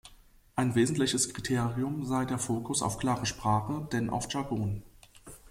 Ein wesentliches Kriterium sei der Fokus auf klare Sprache denn auf Jargon.